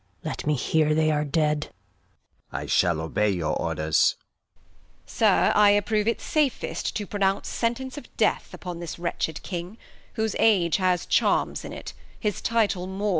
Let me hear they are dead. Capt. I shall obey your Orders. Bast. Sir, I approve it safest to pronounce Sentence of Death upon this wretched King, Whose Age has Charms in it, his Title more.